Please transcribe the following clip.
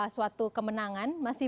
suatu kemenangan masih